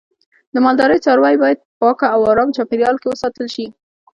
د مالدارۍ څاروی باید په پاکه او آرامه چاپیریال کې وساتل شي.